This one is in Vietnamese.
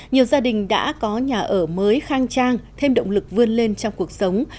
nhiều gia đình đã có nhà ở mới khang trang thêm động lực vươn lên trong cuộc sống